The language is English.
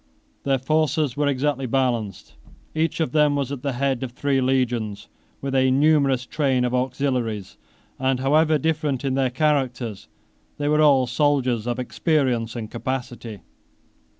Their forces were exactly balanced. Each of them was at the head of three legions, 15 with a numerous train of auxiliaries; and however different in their characters, they were all soldiers of experience and capacity.